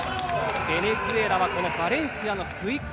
ベネズエラはこのバレンシアのクイック。